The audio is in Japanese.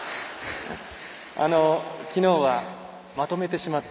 きのうは、まとめてしまった。